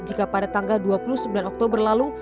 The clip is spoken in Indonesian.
jika pada tanggal dua puluh sembilan oktober lalu